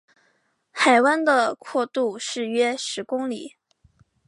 海湾的阔度是约十公里。